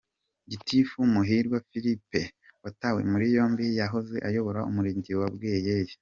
Gitifu Muhirwa Philippe watawe muri yombi yahoze ayobora Umurenge wa Bweyeye.